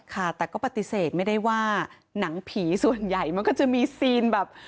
ค่ะแต่ก็ปฏิเสธไม่ได้ว่าหนังผีส่วนใหญ่มันก็จะมีซีนแบบ